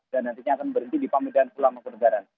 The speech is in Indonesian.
dan nantinya akan berhenti di pamit dan pulau mangkode garan